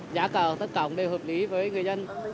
giá cờ tất cả cũng đều hợp lý với người dân